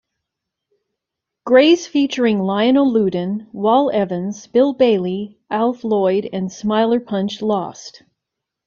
Grays featuring Lionel Loudon, Wal Evans, Bill Bailey, Alf Lloyd and Smiler Puncher lost.